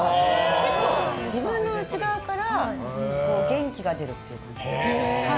結構、自分の内側から元気が出るという感じで。